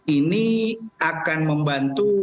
ini akan membantu